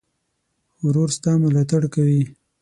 ورور ستا ملاتړ کوي.